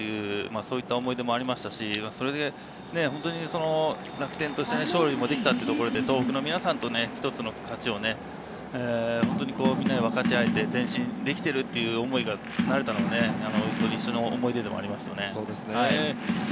そういう思い出がありましたし、楽天として勝利できたということで、東北の皆さんと一つの勝ちを分かち合えて前進できているという思いになれたのが思い出でもあります。